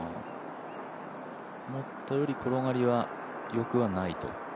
思ったより転がりは良くはないと。